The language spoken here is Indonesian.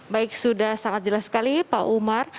baik sudah sangat jelas sekali pak umar